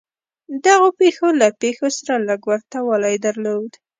دغو پېښو له پېښو سره لږ ورته والی درلود.